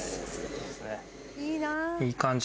いい感じ。